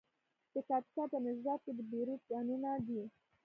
د کاپیسا په نجراب کې د بیروج کانونه دي.